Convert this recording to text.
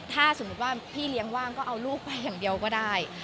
ถ้าสมมุติว่าพี่เลี้ยงว่างก็เอาลูกไปอย่างเดียวก็ได้